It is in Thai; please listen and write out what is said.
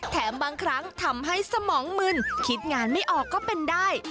แถมบางครั้งทำให้สมองมึนคิดงานไม่ออกก็เป็นได้